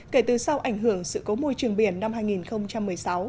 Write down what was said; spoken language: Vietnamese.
kể từ sau ảnh hưởng sự cố môi trường biển năm hai nghìn một mươi sáu